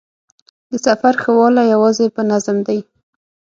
د سفر ښه والی یوازې په نظم دی.